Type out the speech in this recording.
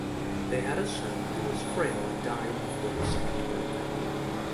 They had a son who was frail and died before his second birthday.